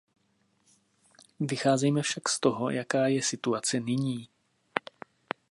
Vycházejme však z toho, jaká je situace nyní.